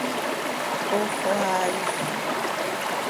¡Ox xoaa is!